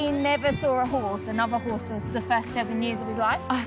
あっ！